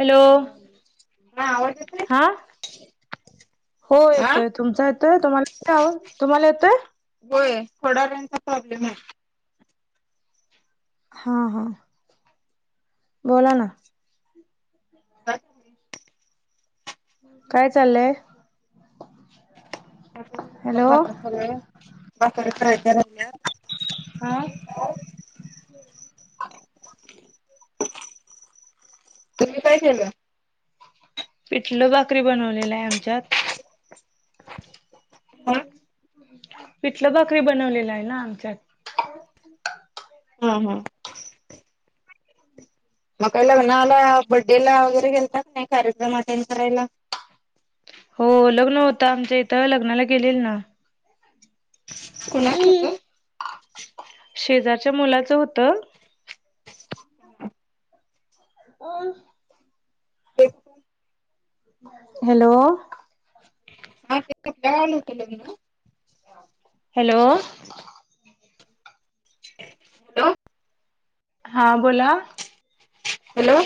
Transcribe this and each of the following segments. Hello हा आवाज हा येतोय? हो येतोय तुमचा येतोय तुम्हाला [inaudible] तुम्हाला येतोय? होय थोडा रेंजचा प्रॉब्लेम आहे. हा हा. बोला ना. [unintelligible] काय चाललंय? हॅलो [unintelligible] [inaudible] तुम्ही काय केलं? पिठलं भाकरी बनवलेलं आहे आमच्यात. [unintelligible] पिटलं भाकरी बनवलेला आहे ना आमच्यात. हा हा. मग काय लग्नाला बड्डेला वगैरे गेलता का काय कार्यक्रम अटेंड करायला? हो लग्न होतं आमच्या इथं, लग्नाला गेलेल ना. शेजारच्या मुलाचं होतं. [inaudible] [unintelligible] हॅलो [unintelligible] काल होतं लग्न? हॅलो हॅलो हा बोला. हॅलो.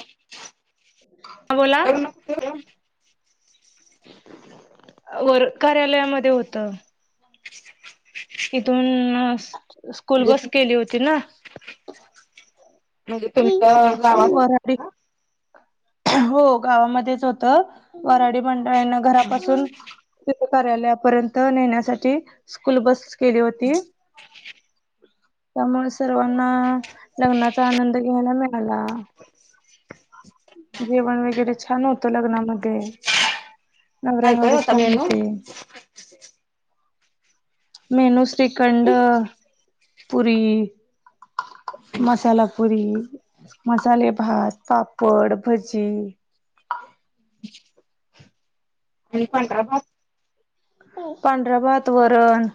ह बोला. हो. वर कार्यालयामध्ये होतं. इथून स्कूल बस केली होती ना. वऱ्हाडी हो गावामध्येच होतं. वऱ्हाडी मंडळांनं घरापासून तिथं कार्यालयापर्यंत नेण्यासाठी, स्कूल बस केली होती. त्यामुळं सर्वांना लग्नाचा आनंद घ्यायला मिळाला. जेवण वगैरे छान होतं लग्नामध्ये. नवऱ्या काय काय नवरी होता छान मेनू? होते मेनू श्रीखंड, पुरी मसाला पुुरी, मसाले भात, पापड, भजी आणि पांढरा भात? पांढरा भात, वरण,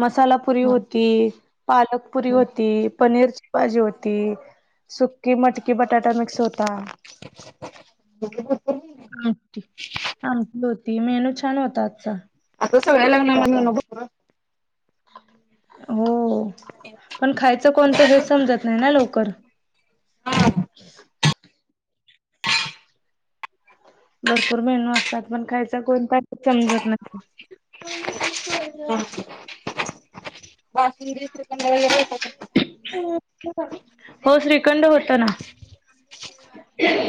मसाला पुरी होती, पालक पुरी होती, पनीरची भाजी होती, सुकी मटकी बटाटा मिक्स होता. [inaudible] आमटी आमटी होती, मेनू छान होता आजचा. आता सगळ्या लग्ना [inaudible] हो, पण खायचं कोणतं हे समजत नाही ना लवकर. हा. ह भरपूर मेनू असतात, पण खायचा कोणता? समजत नाही. बासुंदी, श्रीखंड वगैरे होतं का? हो, श्रीखंड होता ना.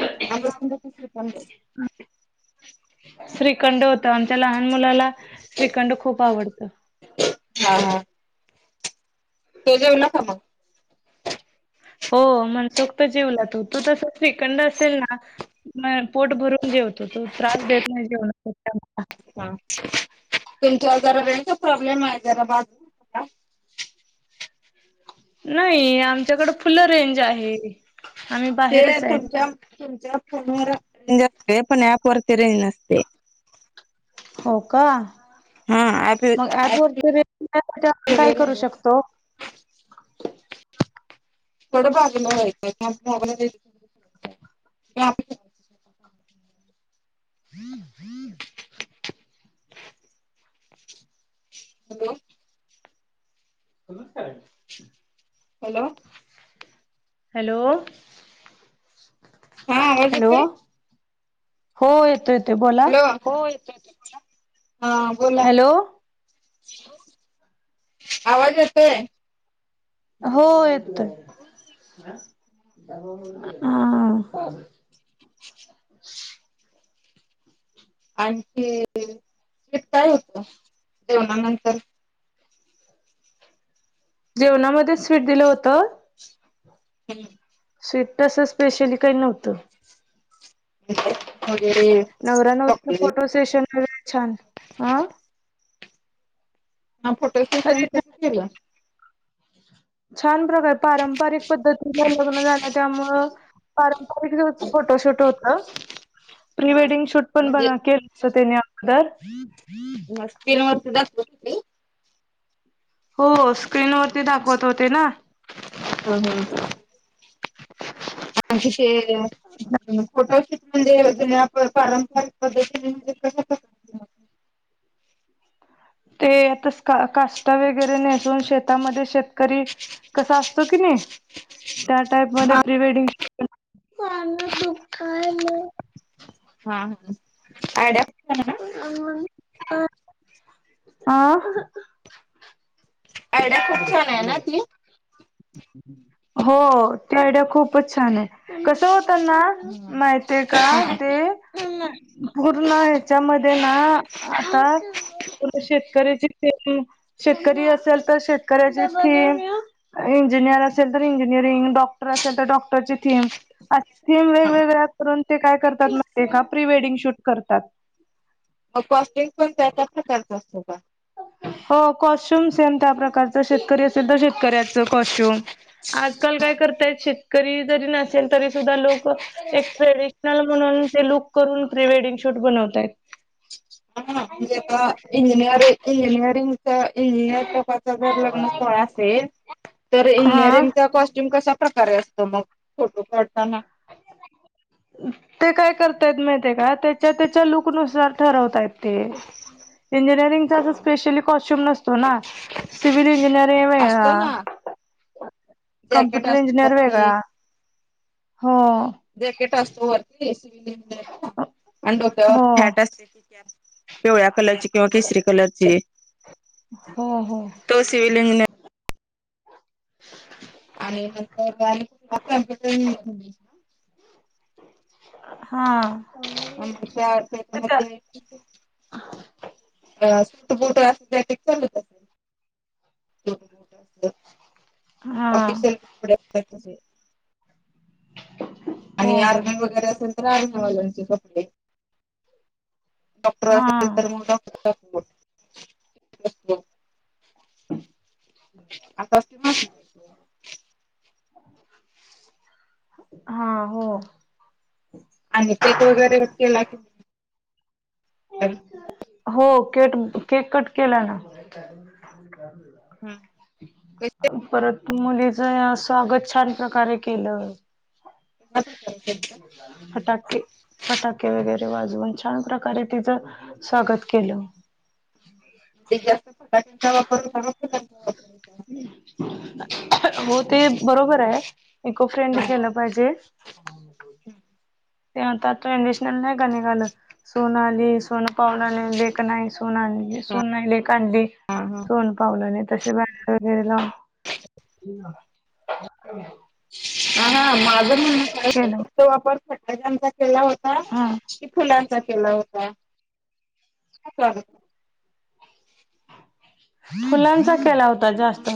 [inaudible] श्रीखंड श्रीखंड होतं, आमच्या लहान मुलाला श्रीखंड खूप आवडतं. हा हा. ते जेवला का मग? हो मनसोक्त जेवला तो, तो तस श्रीखंड असेल ना म पोट भरून जेवतो तो, त्रास देत नाही जेवताना कोणता. हा तुमचा जरा रेंजचा प्रॉब्लेम हाय जरा बात नाही आमच्याकडं फुल रेंज आहे. आम्ही ते बाहेरच आहे. तुमच्या तुमच्या फोनवर रेंज असते, पण ऍपवर ते रेंज नसते. हो का? हा ऍप मग ऍपवरती रेंज नाही म्हणजे आपण काय करू शकतो? थोडं बाजूला व्हायचं, किंवा मोबाईलला रेंज [inaudible] [inaudible] हम्म हम्म हॅलो. नमस्कार. हॅलो. Hello hello. हो येतो येत हॅलो हो येतोय येतोय. हा बोला. हॅलो आवाज येतोय. हो येतोय, हा. [inaudible] आणखी स्वीट काय होतं जेवणानंतर? जेवणामध्ये स्वीट दिलं होतं. हम्म. स्वीट तसं स्पेशली काही नव्हतं. [inaudible] वगैरे. नवरा नवरीचं फोटो सेशन वगैरे छान अ. ह फोटो सेशन कस केलं? छान प्रकारे. पारंपरिक पद्धतीनं लग्न झालं त्यामुळं पारंपरिक [inaudible] फोटोशूट होत, प्री वेडिंग शूट पण बनाके तर तेनी आपलं. मग स्क्रीनवरती दाखवत होती? हो, स्क्रीनवरती दाखवत होते ना. हम्म हम्म. असे शे फोटोशूट म्हणजे ज्या पारंपरिक पद्धतीने [inaudible] ते आता का कासुटा वगैरे नेसून शेतामध्ये शेतकरी कसा असतो की नाही? त्या टाईप मध्ये प्री वेडिंग शूट पण हा हा, आयडिया [inaudible] [inaudible] हा. आयड्या खूप छान आहे ना ती? हो ती आयडिया खूपच छान आहे. कसं होतं ना माहिती आहे का ते पूर्ण ह्याच्यामध्ये ना आता शेतकऱ्याची थीमशेतकरी असेल, तर शेतकऱ्याची थीम इंजिनिअर असेल तर इंजिनिअरिंग, डॉक्टर असेल तर डॉक्टरची थीम असं थीम वेगवेगळ्या करून ते काय करतात, माहिती आहे का प्री वेडिंग शूट करतात. मग कॉस्ट्युम पण त्या त्या प्रकारचा असतो का? हो कॉस्ट्युम सेम त्या प्रकारच शेतकरी अस शुद्ध शेतकऱ्याच कॉस्ट्युम. आजकाल काय करतायत शेत करी जरी नसेल तरी सुद्धा लोकं एक ट्रेडिशनल म्हणून, ते लुक करून प्री वेडिंग शूट बनवतायत. हा म्हणजे आता इंजिनिअर इंजिनिअरिंगचं इंजिनिअर लोकां च जरा असेल, तर हा इंजिनअरिंगचा कॉस्ट्यूम कशा प्रकारे अस तर मग फोटो काढताना ते काय करतायत माहिती आहे का? त्याच्या त्याच्या लुकनुसार ठरवतायत. ते इंजिनिअरिंगचा अस स्पेशली कॉस्ट्यूम नसतो ना. सिविल इंजिनीरिंग वेगळा. कम्प्युटर इंजिनिअर वेगळा, हो. जॅकेट असतो वरती सिव्हील इंजिनिअरला आणि हो डोक्यावरती हॅट असते ती कॅप. पिवळ्या कलरची किंवा केशरी कलरची. हो, हो. तो सिव्हील इंजिनिअर आणि नंतर [inaudible] कुठला [inaudible] हा. [inaudible] [inaudible] अ सुूट बुट अस [unintelligible] चालत. [unintelligible] म्हणजे हा ऑफिशल [unintelligible] आणि हो हो आर्मी वगैरे असेल तर आर्मीवाल्यांचे कपडे. डॉक्टर असेल हा तर मग डॉक्ट [unintelligible] [inaudible] आता हा, हो. आणि केक वगैरे केला की नई? हो केट केक कट केला ना. हम्म. [unintelligible] परत मुलीचं स्वागत छान प्रकारे केलं. [unintelligible] केलंत? फटाके फटाके वगैरे वाजवून छान प्रकारे तिचं स्वागत केलं. जास्त फटाक्यांचा वापर कर [unintelligible] हो ते बरोबर आहे इको फ्रेंड केलं पाहिजे. हम्म. ते आता ट्रेडिशनल नाही का निघालं, सुन आली सोन पावलानं आली. क नाही सुन आण सुन नाही लेक आणली. सोन पावलाने तसे गाणं वगैरे लावून हा हा माझ म्हणणं काय केलं तो वापर फटाक्यांचा केला होता हा. फुलांचा केला होता? स्वागत फुलांचा केला होता जास्त.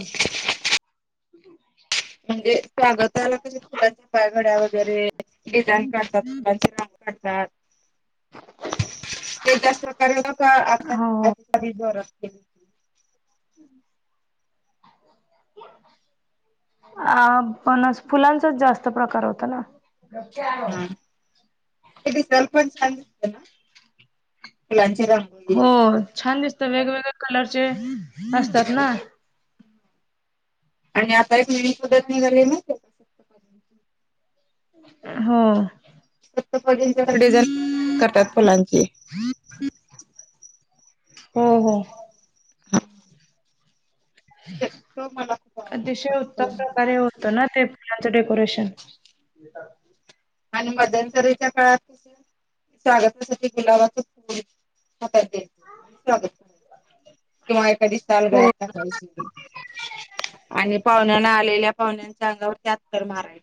[inaudible] म्हणजे स्वागत त्याला कशा फुलांच्या पायघड्या वगैरे डिझाईन काढतात, फुलांचे रांगोळी काढतात. ते त्याच प्रकारे [unintelligible] हो आपल्या [unintelligible] जोरात केलीत. हम्म. अ पण फुलांचाच जास्त प्रकार होता ना. हा, ते दिसायला पण छान दिसतं ना? हो छान दिसत. वेगवेगळे कलरचे असतात ना. आणि आता हि [unintelligible] हो. सप्तपदींच्या डिझाईन किती छान करतात फुलांची. हो, हो. अतिशय उत्तम प्रकारे होतं ना ते फुलाचं डेकोरेशन. [inaudible] आणि मध्यंतरीच्या काळात कसं स्वागतासाठी गुलाबाच फूल हातात द्यायचे आणि स्वागत करायचे. किंवा एखादी शाल हो गळ्यात टाकायची आणि पाहुण्यांना आलेल्या पाहण्याच्या अंगावर त्या अत्तर मारायचे.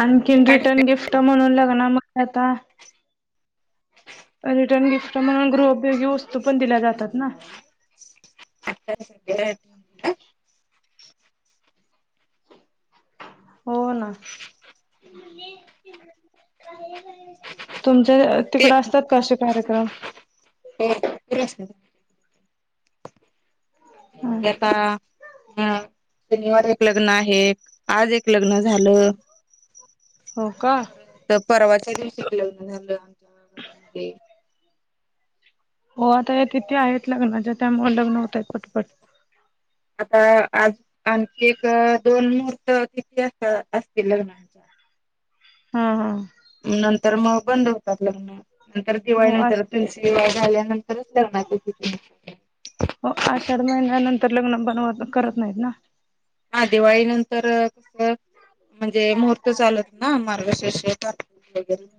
आणखीन रिटर्न गिफ्ट म्हणून लग्न मग काय आता रिटर्न गिफ्ट म्हणून गृहोपयोगी वस्तू पण दिल्या जातात ना. [unintelligible] हो ना. तुमचं ते [unintelligible] हिकड आता अ शनिवार एक लग्न आहे. आज एक लग्न झालं. हो का? परत तर परवाच्या दिवशी एक लग्न झालं आमच्या गावामध्ये [unintelligible] हो आता हे तिथी आहेत लग्नाच्या त्यामुले लग्न होतायेत पटपट. आता आज आणखी एक दोन मुहूर्त तिथी अस असतील लग्नाच्या. हा, हा. नंतर मग बंद होतात लग्न, नंतर दिवाळी हो आष नंतरच. तुमची विवाह झाल्यानंतरच लग्नाची तिथी निघत्या. हो आषाढ महिन्यानंतर लग्न बनवत करत नाहीत ना. हा दिवाळी नंतर कसं म्हणजे मुहूर्त चालत ना मार्गशीर्ष [unintelligible] [unintelligible]